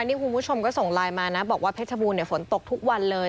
นี่คุณผู้ชมก็ส่งไลน์มานะบอกว่าเพชรบูรณฝนตกทุกวันเลย